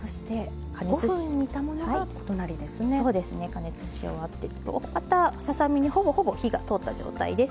加熱し終わっておおかたささ身にほぼほぼ火が通った状態です。